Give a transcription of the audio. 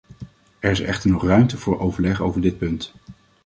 Er is echter nog ruimte voor overleg over dit punt.